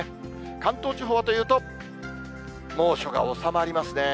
関東地方はというと、猛暑が収まりますね。